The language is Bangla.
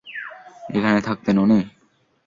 এখানে থাকতেন উনি?